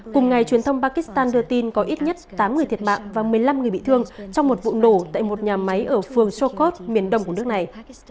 cùng ngày truyền thông pakistan đưa tin có ít nhất tám người thiệt mạng và một mươi năm người bị thương trong một vụ nổ tại một nhà máy ở phường sokot miền đông của nước này